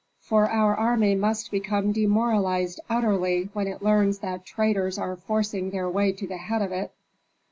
For our army must become demoralized utterly when it learns that traitors are forcing their way to the head of it."